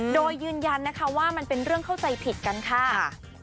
โดยยืนยันนะคะว่ามันเป็นเรื่องเข้าใจผิดกันค่ะ